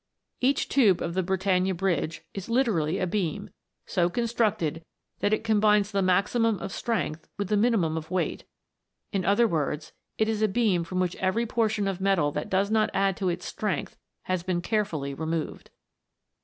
Each tube of the Britannia Bridge is literally a beam, so constructed that it combines the maximum of strength with the mini mum of weight ; in other words, it is a beam from which every portion of metal that does not add to its strength has been carefully removed.